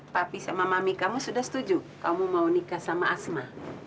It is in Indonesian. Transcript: papi sama mami kamu sudah setuju kamu mau nikah sama asma